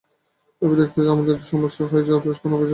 ভেবে দেখতে গেলে আমার জন্যেই সমস্ত কিছু হয়েছে, অথচ কোনো উপায় ছিল না।